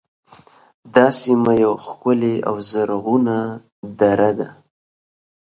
دا سیمه یوه ښکلې او زرغونه دره ده